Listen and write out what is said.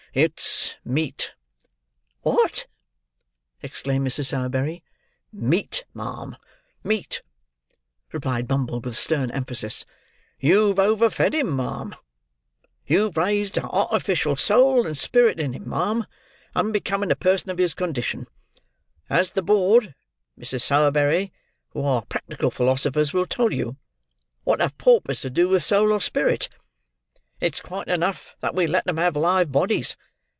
"It's Meat." "What?" exclaimed Mrs. Sowerberry. "Meat, ma'am, meat," replied Bumble, with stern emphasis. "You've over fed him, ma'am. You've raised a artificial soul and spirit in him, ma'am unbecoming a person of his condition: as the board, Mrs. Sowerberry, who are practical philosophers, will tell you. What have paupers to do with soul or spirit? It's quite enough that we let 'em have live bodies.